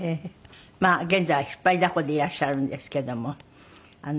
まあ現在は引っ張りだこでいらっしゃるんですけども。